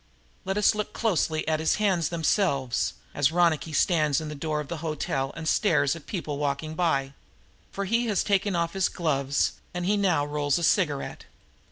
Let us look closely at the hands themselves, as Ronicky stands in the door of the hotel and stares at the people walking by. For he has taken off his gloves and he now rolls a cigarette.